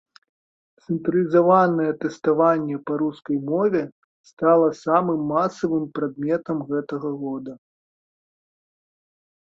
Цэнтралізаванае тэставанне па рускай мове стала самым масавым прадметам гэтага года.